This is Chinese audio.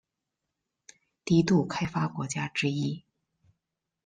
低度开发国家之一。